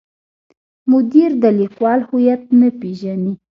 مدیر د لیکوال هویت نه پیژني.